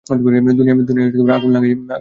দুনিয়ায় আগুন লাগাইয়ে দিতে হইবে।